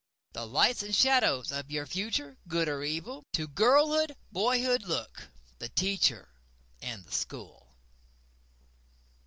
The lights and shadows of your future—good or evil? To girlhood, boyhood look—the Teacher and the School.